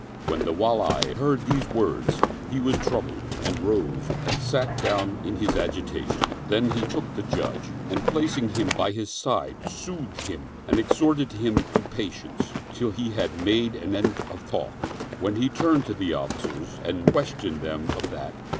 When the Wali heard these words, he was troubled and rose and sat down in his agitation ; then he took the Judge and placing him by his side, soothed him and exhorted him to patience, till he had made an end of talk, when he turned to the offi cers and questioned them of that.